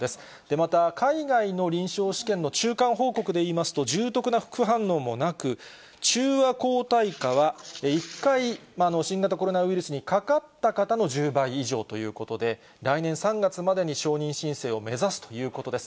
また、海外の臨床試験の中間報告でいいますと、重篤な副反応もなく、中和抗体価は１回、新型コロナウイルスにかかった方の１０倍以上ということで、来年３月までに承認申請を目指すということです。